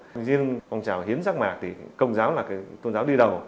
nhưng dân phòng trào hiếm rắc mạc thì công giáo là tôn giáo đi đầu